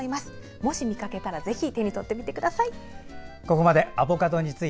もし見かけたら手にとってみてください。